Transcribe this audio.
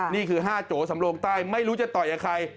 นี่คือ๕โจสำโลงใต้ไม่รู้จะต่อยกับใคร